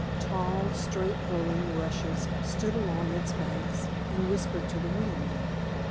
Tall, straight growing rushes stood along its banks, and whispered to the wind.